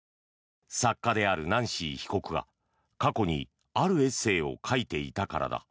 作家であるナンシー被告が過去にあるエッセーを書いていたからだ。